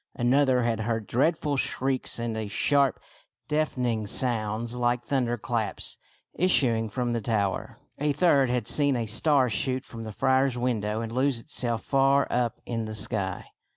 Another had heard dreadful shrieks and sharp, deafening sounds like thunder claps issuing from the tower. A third had seen a star shoot from the friar's window and lose itself far up in the sky.